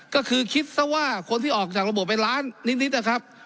ก็คือคิดซะว่าคนที่ออกจากระบบไปล้านนิดนะครับ